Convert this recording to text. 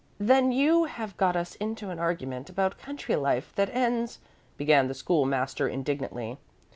"Then you have got us into an argument about country life that ends " began the School master, indignantly.